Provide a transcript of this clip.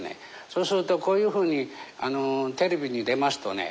そうするとこういうふうにテレビに出ますとね